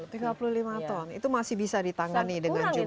tiga puluh lima ton itu masih bisa ditangani dengan jumlah